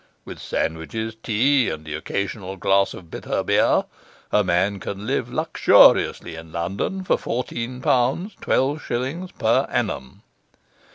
With sandwiches, tea, and an occasional glass of bitter beer, a man can live luxuriously in London for fourteen pounds twelve shillings per annum.